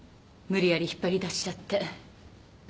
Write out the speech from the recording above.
無理やり引っ張り出しちゃって。